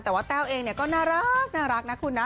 แต่ว่าแต้วเองก็น่ารักนะคุณนะ